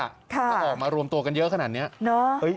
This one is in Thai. ถ้าออกมารวมตัวกันเยอะขนาดนี้